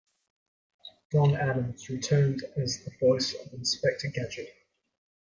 Don Adams returned as the voice of Inspector Gadget.